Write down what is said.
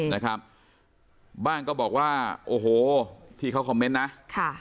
นะครับบ้างก็บอกว่าโอ้โหที่เขาคอมเมนต์นะค่ะ